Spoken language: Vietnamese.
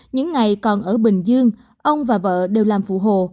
những ngày còn ở bình dương ông và vợ đều làm phụ hồ